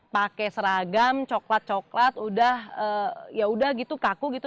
pakai seragam coklat coklat udah ya udah gitu kaku gitu